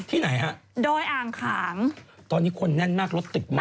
ไหนฮะดอยอ่างขางตอนนี้คนแน่นมากรถติดมาก